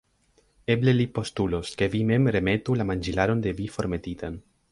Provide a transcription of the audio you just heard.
Eble li postulos, ke vi mem remetu la manĝilaron de vi formetitan.